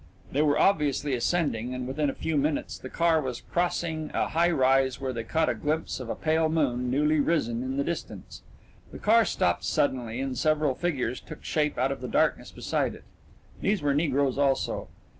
They were obviously ascending, and within a few minutes the car was crossing a high rise, where they caught a glimpse of a pale moon newly risen in the distance. The car stopped suddenly and several figures took shape out of the dark beside it these were negroes also.